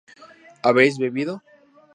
¿habéis bebido?